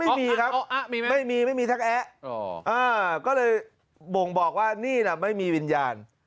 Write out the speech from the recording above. ไม่มีครับไม่มีไม่มีทักแอ๊ะก็เลยบ่งบอกว่านี่น่ะไม่มีวิญญาณ